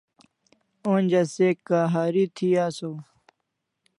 Onja se k'ahari thi asaw